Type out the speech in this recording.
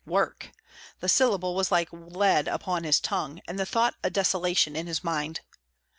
Work! The syllable was like lead upon his tongue, and the thought a desolation in his mind.